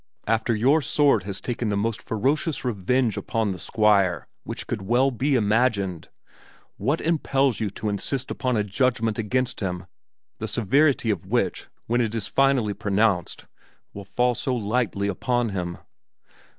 After your sword has taken the most ferocious revenge upon the Squire which could well be imagined, what impels you to insist upon a judgment against him, the severity of which, when it is finally pronounced, will fall so lightly upon him?"